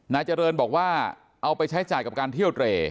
นายเจริญบอกว่าเอาไปใช้จ่ายกับการเที่ยวเตร